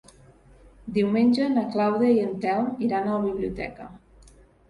Diumenge na Clàudia i en Telm iran a la biblioteca.